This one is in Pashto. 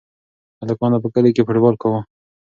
هلکانو په کلي کې فوټبال کاوه.